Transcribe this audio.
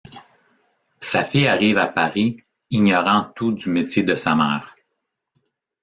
Sa fille arrive à Paris, ignorant tout du métier de sa mère.